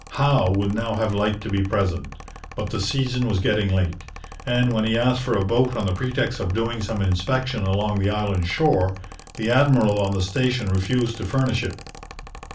Howe would now have liked to be present, but the season was getting late, and when he asked for a boat on the pretext of doing some inspection along the Island shore, the admiral on the station refused to furnish it.